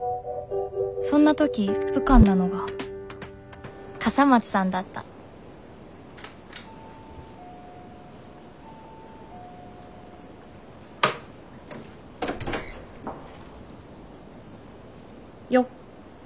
そんな時浮かんだのが笠松さんだったよっ！